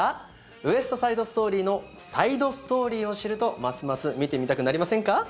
「ウエスト・サイド・ストーリー」のサイドストーリーを知るとますます見てみたくなりませんか